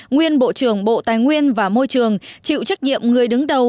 nguyên bộ trưởng bộ tài nguyên và môi trường chịu trách nhiệm người đứng đầu